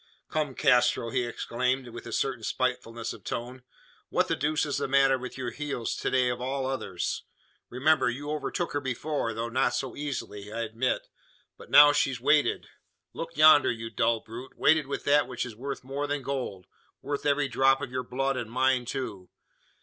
"Come, Castro!" he exclaimed, with a certain spitefulness of tone. "What the deuce is the matter with your heels to day of all others? Remember, you overtook her before though not so easily, I admit. But now she's weighted. Look yonder, you dull brute! Weighted with that which is worth more than gold worth every drop of your blood, and mine too.